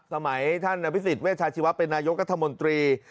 สมัยท่านวิสิทธิเวชชาชิวะเป็นนายกรธมตรี